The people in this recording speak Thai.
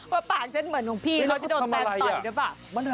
ป่านฉันเหมือนหลวงพี่เขาจะโดนแฟนต่อยหรือเปล่า